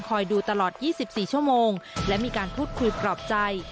ดูตลอด๒๔ชั่วโมงและมีการพูดคุยปลอบใจ